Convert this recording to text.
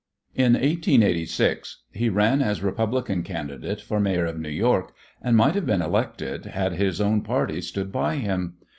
In 1886 he ran as Republican candidate for mayor of New York and might have been elected had his own party stood by him.